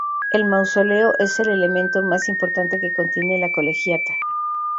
El mausoleo es el elemento más importante que contiene la colegiata.